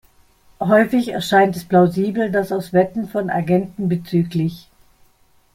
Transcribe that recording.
Häufig erscheint es plausibel, dass aus Wetten von Agenten bzgl.